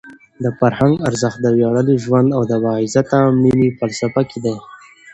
د فرهنګ ارزښت د ویاړلي ژوند او د باعزته مړینې په فلسفه کې دی.